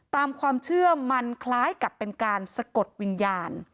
ตามความเชื่อมันคล้ายกับเป็นการสะกดวิญญาณ